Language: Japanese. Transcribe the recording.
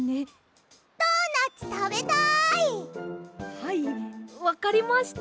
はいわかりました。